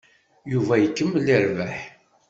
Yuba ikemmel irebbeḥ.